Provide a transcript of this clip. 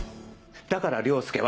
だから凌介は。